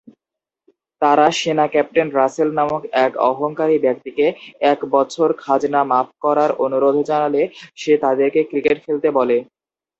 তারা সেনা captain Russell নামক এক অহংকারী ব্যক্তিকে এক বছর খাজনা মাফ করার অনুরোধ জানালে সে তাদেরকে ক্রিকেট খেলতে বলে।